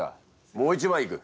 もう一枚いく。